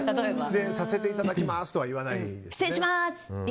出演させていただきますとは言わないんですね。